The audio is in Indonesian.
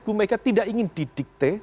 bumega tidak ingin di diktir